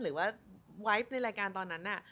หรือว่าไวท์ในรายการตอนนั้น